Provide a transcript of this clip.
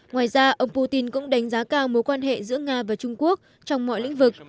ngoài ra ông putin cũng đánh giá cao mối quan hệ giữa nga và trung quốc trong mọi lĩnh vực